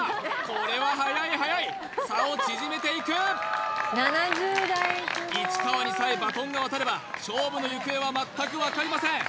これは速い速い差を縮めていく市川にさえバトンが渡れば勝負の行方は全く分かりません